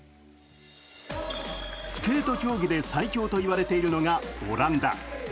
スケート競技で最強と言われているのがオランダ。